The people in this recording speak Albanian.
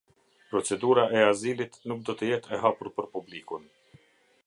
Procedura e azilit nuk do të jetë e hapur për publikun.